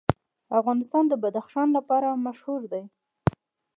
افغانستان د بدخشان لپاره مشهور دی.